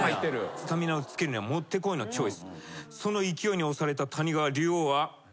スタミナをつけるにはもってこいのチョイス。